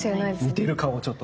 似てる顔をちょっと探して。